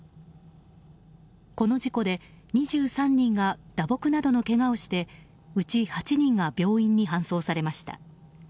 この事故で２３人が打撲などのけがをしてうち８人が病院に搬送されました。